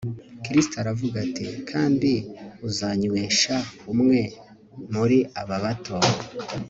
Kristo aravuga ati Kandi uzanywesha umwe muri aba bato